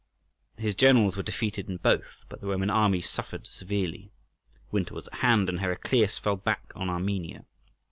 His generals were defeated in both, but the Roman army suffered severely. Winter was at hand, and Heraclius fell back on Armenia.